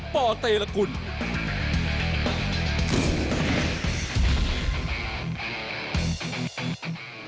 มวยรองคู่เอกของเรานะครับตอนนี้มวยรองคู่เอกของเราจอละเข้าไปในยกที่๓ครับ